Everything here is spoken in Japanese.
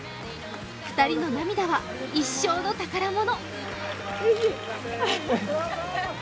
２人の涙は一生の宝物。